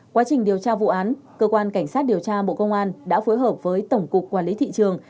quá trình điều tra vụ án cơ quan cảnh sát điều tra bộ công an đã phối hợp với tổng cục quản lý thị trường